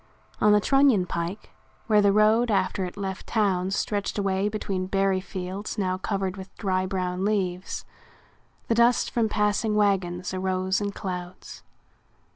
On the Trunion Pike, where the road after it left town stretched away between berry fields now covered with dry brown leaves, the dust from passing wagons arose in clouds.